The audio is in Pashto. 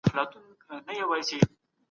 د زده کړې تجربه بشپړه ده.